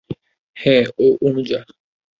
হ্যাঁঁ, ও অনুযা।